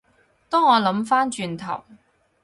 當我諗返轉頭